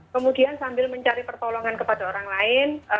kemudian sambil mencari pertolongan kepada orang lain